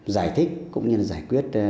giải thích cũng như giải quyết